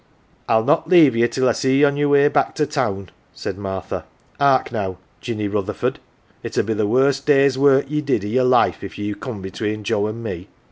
" I'll not leave ye till I see ye on your way back to town," said Martha. " 'Ark now, Jinny Rutherford, it 'ud be the worst day's work ye did i' your life if you come between Joe an' me.